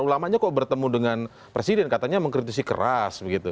ulamanya kok bertemu dengan presiden katanya mengkritisi keras begitu